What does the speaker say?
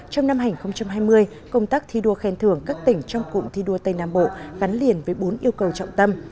trong năm hai nghìn hai mươi công tác thi đua khen thưởng các tỉnh trong cụm thi đua tây nam bộ gắn liền với bốn yêu cầu trọng tâm